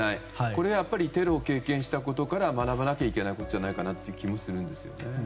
これはやっぱりテロを経験したことから学ばなきゃいけないことじゃないかという気がします。